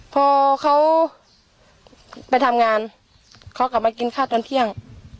พอเขาไปทำงานเขากลับมากินข้าวตอนเที่ยง